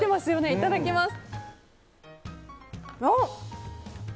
いただきます。